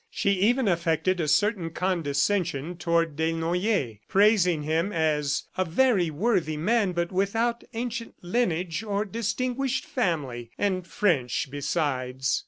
She even affected a certain condescension toward Desnoyers, praising him as "a very worthy man, but without ancient lineage or distinguished family and French, besides."